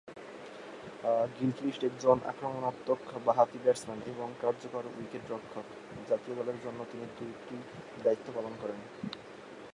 Gilchrist একজন আক্রমণাত্মক বাঁহাতি ব্যাটসম্যান এবং কার্যকর উইকেট-রক্ষক, জাতীয় দলের জন্য তিনি দু'টি দায়িত্ব পালন করেন।